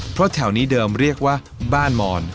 เพราะแถวนี้เดิมเรียกว่าบ้านมอน